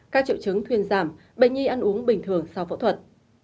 các triệu chứng thuyền giảm bệnh nhi ăn uống bình thường sau phẫu thuật